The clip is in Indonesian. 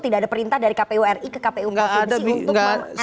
tidak ada perintah dari kpu ri ke kpu provinsi